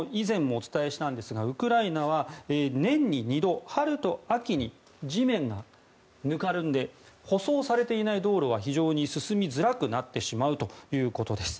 ウクライナは年に２度春と秋に地面がぬかるんで舗装されていない道路は非常に進みづらくなってしまうということです。